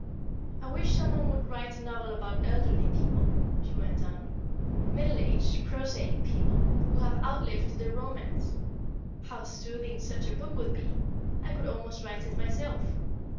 I wish some one would write a novel about elderly people," she went on "middle aged, prosaic people, who have outlived their romance. How soothing such a book would be! I could almost write it myself.